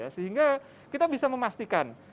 sehingga kita bisa memastikan